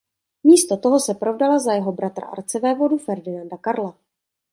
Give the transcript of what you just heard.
Místo toho se provdala za jeho bratra arcivévodu Ferdinanda Karla.